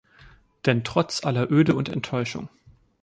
Denn trotz aller Öde und Enttäuschung